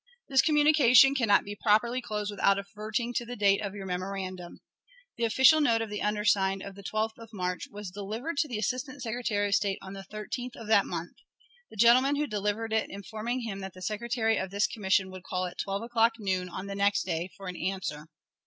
This communication can not be properly closed without adverting to the date of your memorandum. The official note of the undersigned, of the 12th of March, was delivered to the Assistant Secretary of State on the 13th of that month, the gentleman who delivered it informing him that the secretary of this commission would call at twelve o'clock, noon, on the next day, for an answer.